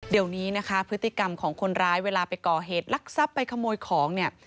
เดี๋ยวนี้นะคะพฤติกรรมของคนร้ายเวลาไปก่อเหตุลักษัพไปขโมยของเนี่ย